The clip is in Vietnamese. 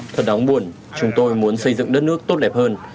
thật đáng buồn chúng tôi muốn xây dựng đất nước tốt đẹp hơn